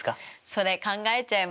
それ考えちゃいますよね。